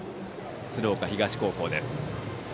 鶴岡東高校です。